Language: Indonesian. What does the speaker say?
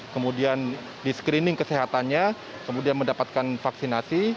kemudian di screening kesehatannya kemudian mendapatkan vaksinasi